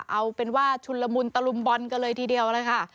เอาเป็นว่าชุนละมุนตะลุมบอลกันเลยทีเดียวเลยค่ะ